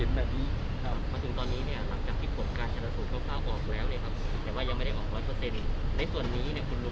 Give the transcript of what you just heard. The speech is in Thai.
มาถึงตอนนี้เนี่ยหลังจากที่ผลการชนสูตรเข้าออกแล้วเนี่ยครับแต่ว่ายังไม่ได้ออกร้อยตัวเต็ม